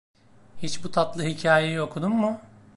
Hiç bu tatlı hikayeyi okudun mu?